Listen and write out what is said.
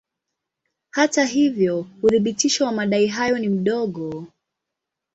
Hata hivyo uthibitisho wa madai hayo ni mdogo.